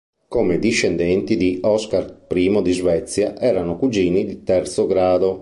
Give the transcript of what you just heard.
Come discendenti di Oscar I di Svezia, erano cugini di terzo grado.